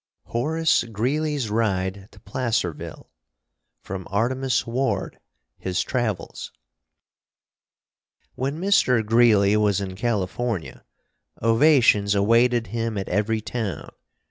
_ HORACE GREELEY'S RIDE TO PLACERVILLE From 'Artemus Ward: His Travels' When Mr. Greeley was in California, ovations awaited him at every town.